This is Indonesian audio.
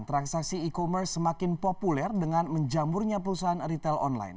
transaksi e commerce semakin populer dengan menjamurnya perusahaan retail online